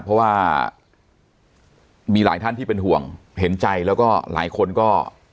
เพราะว่ามีหลายท่านที่เป็นห่วงเห็นใจแล้วก็หลายคนก็